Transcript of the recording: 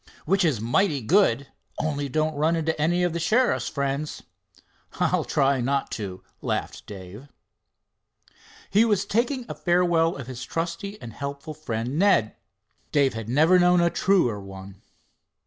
"Which is mighty good—only don't run into any of the sheriff's friends." "I'll try not to," laughed Dave. He was taking a farewell of his trusty and helpful friend, Ned. Dave had never known a truer one.